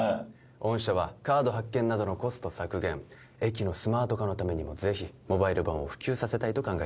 御社はカード発券などのコスト削減駅のスマート化のためにもぜひモバイル版を普及させたいと考え